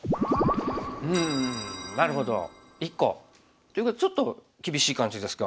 うんなるほど１個。ということはちょっと厳しい感じですか。